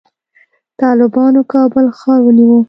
طالبانو کابل ښار ونیو